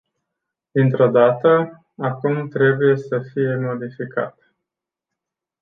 Dintr-o dată, acum trebuie să fie modificat.